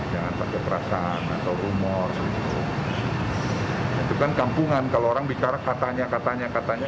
jangan pakai perasaan atau rumor gitu itu kan kampungan kalau orang bicara katanya katanya katanya